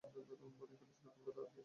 পড়েছিলেন কলকাতা আর্ট কলেজে।